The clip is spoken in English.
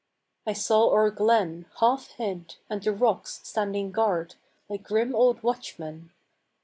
I saw our glen, half hid, and the rocks Standing guard like grim old watchmen.